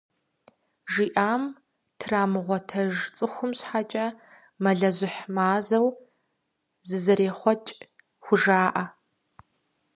ЖиӀам трамыгъуэтэж цӀыхум щхьэкӀэ «Мэлыжьыхь мазэу зызэрехъуэкӀ» хужаӀэ.